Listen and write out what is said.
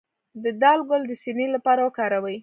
د دال ګل د سینې لپاره وکاروئ